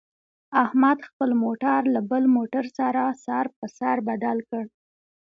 احمد خپل موټر له بل موټر سره سر په سر بدل کړ.